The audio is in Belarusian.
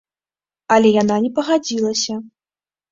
Але яна не пагадзілася.